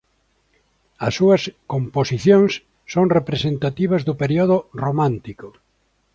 As súas composicións son representativas do período romántico.